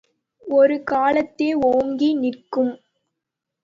ஒரு காலத்தே ஓங்கி நிற்கும்.